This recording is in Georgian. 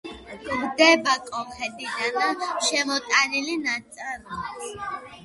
გვხვდება კოლხეთიდან შემოტანილი ნაწარმიც.